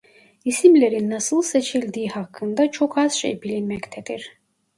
İsimlerin nasıl seçildiği hakkında çok az şey bilinmektedir.